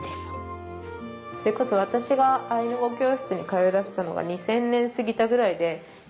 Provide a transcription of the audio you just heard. それこそ私がアイヌ語教室に通いだしたのが２０００年過ぎたぐらいで。